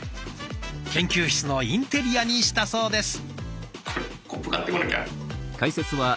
研究室のインテリアにしたそうです。